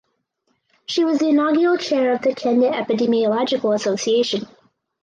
She was the inaugural Chair of the Kenya Epidemiological Association.